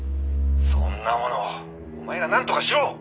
「そんなものお前がなんとかしろ！」